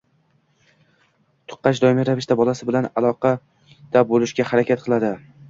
tuqqach doimiy ravishda bolasi bilan aloqada bo‘lishga harakat qiladi.